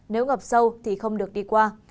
nếu ngập sâu thì không được đi qua